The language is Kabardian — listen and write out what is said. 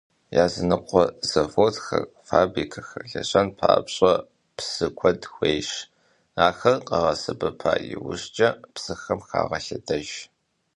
Языныкъуэ заводхэр, фабрикэхэр лэжьэн папщӀэ, псы куэд хуейщ, ар къагъэсэбэпа иужькӀэ псыхэм хагъэлъэдэж.